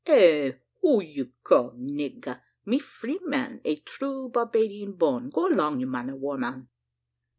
"Eh! who you call nigger? Me free man, and true Barbadian born. Go along, you man of war man.